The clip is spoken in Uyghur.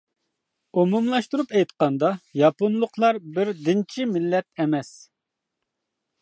-ئومۇملاشتۇرۇپ ئېيتقاندا، ياپونلۇقلار بىر دىنچى مىللەت ئەمەس.